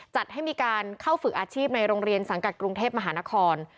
จัดให้มีการเข้าฝึกอาชีพในโรงเรียนสังกัดกรุงเทพมหานคร